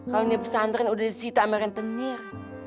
kalau ini pesantren udah disita sama rentenir